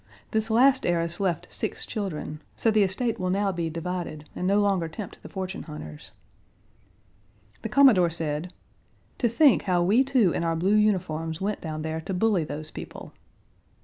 This last heiress left six children; so the estate will now be divided, and no longer tempt the fortune hunters. The Commodore said: "To think how we two youngsters Page 122 in our blue uniforms went down there to bully those people."